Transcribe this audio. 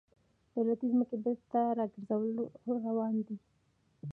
د دولتي ځمکو بیرته راګرځول روان دي